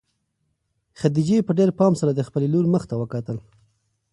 خدیجې په ډېر پام سره د خپلې لور مخ ته وکتل.